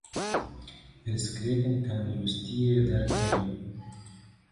Pirsgirêkên tenduristiyê derdikevin.